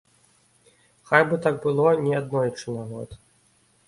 Хай бы так было не аднойчы на год.